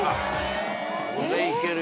これ行けるよ。